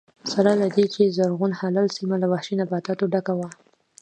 سره له دې چې زرغون هلال سیمه له وحشي نباتاتو ډکه وه